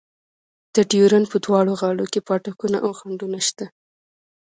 د ډیورنډ په دواړو غاړو کې پاټکونه او خنډونه شته.